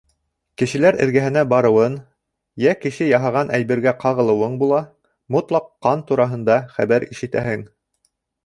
— Кешеләр эргәһенә барыуын, йә кеше яһаған әйбергә ҡағылыуың була, мотлаҡ ҡан тураһында хәбәр ишетәһең.